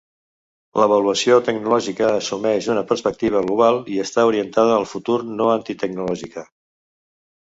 L'avaluació tecnològica assumeix una perspectiva global i està orientada al futur, no antitecnològica.